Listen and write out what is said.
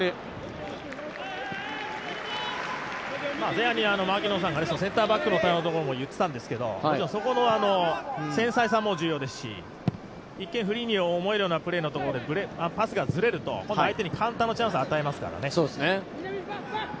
前半に槙野さんがセンターバックの対応のところも言ってたんですけどそこの繊細さも重要ですし一見フリーに思えるようなプレーでも少しパスがずれると今度相手にカウンターのチャンスを与えますからね。